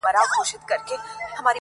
زه او ته دواړه ښکاریان یو د عمرونو؛